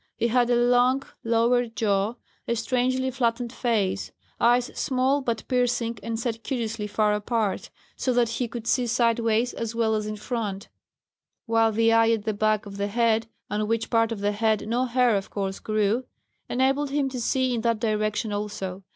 He had a long lower jaw, a strangely flattened face, eyes small but piercing and set curiously far apart, so that he could see sideways as well as in front, while the eye at the back of the head on which part of the head no hair, of course, grew enabled him to see in that direction also.